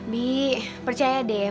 bi percaya deh